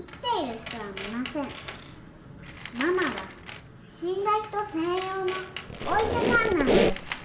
「ママは死んだ人専用のお医者さんなんです」